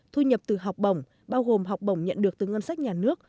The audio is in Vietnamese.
thu nhập từ học bổng bao gồm học bổng nhận được từ ngân sách nhà nước